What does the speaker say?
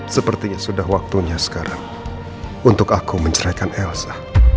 sepertinya sudah waktunya sekarang untuk aku menceraikan elsa